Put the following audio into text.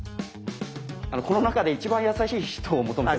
この中で一番優しい人を求めてます。